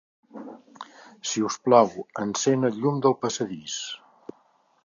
Si us plau, encén el llum del passadís.